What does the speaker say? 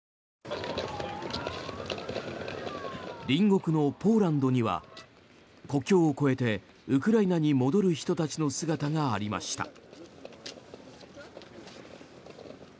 隣国のポーランドには国境を越えてウクライナに戻る人たちの姿がありました。